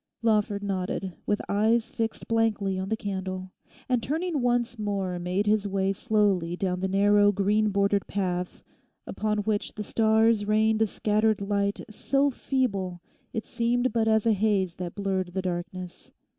Lawford nodded, with eyes fixed blankly on the candle, and turning once more, made his way slowly down the narrow green bordered path upon which the stars rained a scattered light so feeble it seemed but as a haze that blurred the darkness.